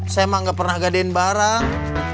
saya emang gak pernah gadein barang